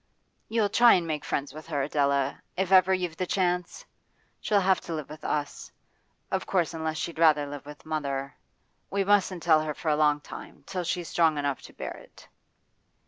You'll try and make friends with her, Adela if ever you've the chance? She'll have to live with us, of course unless she'd rather live with mother. We mustn't tell her for a long time, till she's strong enough to bear it.